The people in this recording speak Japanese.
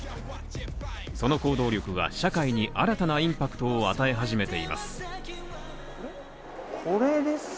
その行動力が社会に新たなインパクトを与え始めています。